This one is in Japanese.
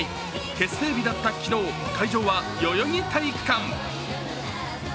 結成日だった昨日、会場は代々木体育館。